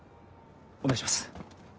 お願いします